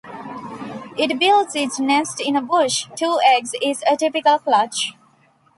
It builds its nest in a bush; two eggs is a typical clutch.